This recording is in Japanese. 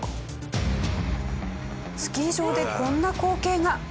スキー場でこんな光景が。